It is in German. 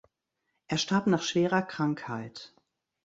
Er starb nach schwerer Krankheit.